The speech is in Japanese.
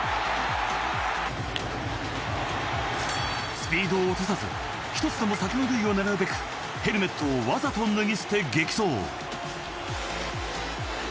スピードを落とさず１つでも先の塁を狙うべくヘルメットをわざと脱ぎ捨て激走。